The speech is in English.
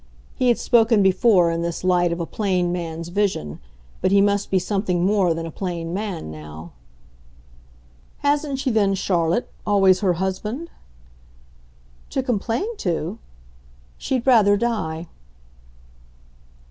He had spoken before in this light of a plain man's vision, but he must be something more than a plain man now. "Hasn't she then, Charlotte, always her husband ?" "To complain to? She'd rather die."